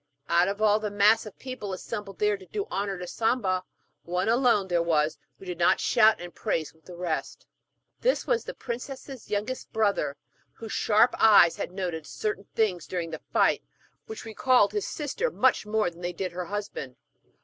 Out of all the mass of people assembled there to do honour to Samba, one alone there was who did not shout and praise with the rest. This was the princess's youngest brother, whose sharp eyes had noted certain things during the fight which recalled his sister much more than they did her husband.